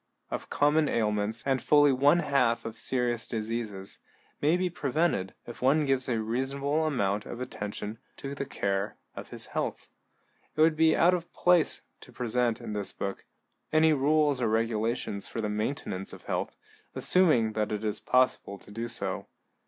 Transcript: of common ailments, and fully one half of serious diseases, may be prevented if one gives a reasonable amount of attention to the care of his health. It would be out of place to present, in this book, any rules or regulations for the maintenance of health, assuming that it is possible to do so.